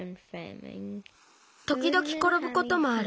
ときどきころぶこともある。